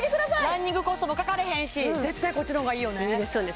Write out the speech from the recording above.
ランニングコストもかからへんし絶対こっちのほうがいいよねいいですよね